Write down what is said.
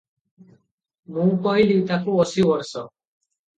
ମୁଁ କହିଲି- "ତାକୁ ଅଶୀ ବର୍ଷ ।